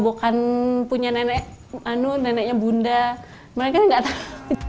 bukan punya nenek neneknya bunda mereka nggak tahu